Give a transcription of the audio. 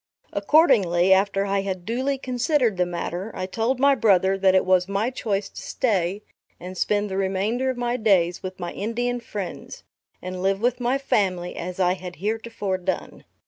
Accordingly, after I had duly considered the matter, I told my brother that it was my choice to stay and spend the remainder of my days with my Indian friends, and live with my family as I had heretofore done.